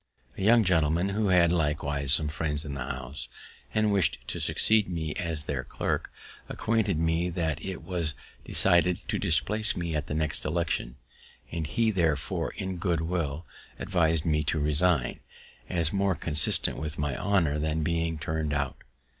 A young gentleman who had likewise some friends in the House, and wished to succeed me as their clerk, acquainted me that it was decided to displace me at the next election; and he, therefore, in good will, advis'd me to resign, as more consistent with my honour than being turn'd out.